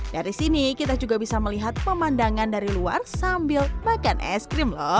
dari sini kita juga bisa melihat pemandangan dari luar sambil makan es krim lho